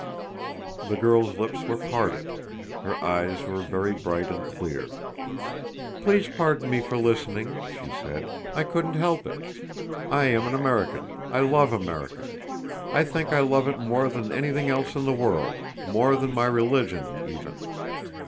The girl's lips were parted. Her eyes were very bright and clear. "Please pardon me for listening," she said. "I couldn't help it. I am an American. I love America. I think I love it more than anything else in the world—more than my religion, even.